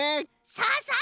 さあさあ